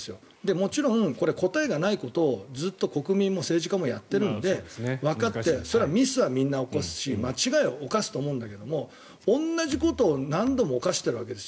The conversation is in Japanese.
もちろん答えがないことをずっと国民も政治家もやっているのでわかってミスはみんな起こすし間違いは犯すと思うけども同じことを何度も犯しているわけです